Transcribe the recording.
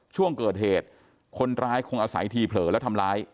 ช่วงเกิดเหตุคนร้ายคงอาศัยทีเผลอแล้วทำร้าย